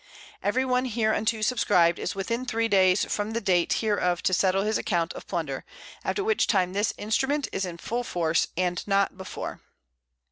Every one hereunto subscribed is within 3 Days from the Date hereof to settle his Account of Plunder; after which time, this Instrument is in full Force and not before.